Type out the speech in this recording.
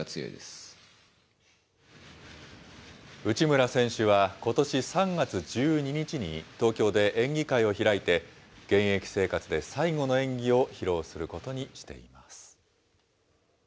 内村選手は、ことし３月１２日に、東京で演技会を開いて、現役生活で最後の演技を披露することにしています。